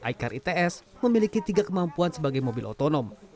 icar its memiliki tiga kemampuan sebagai mobil otonom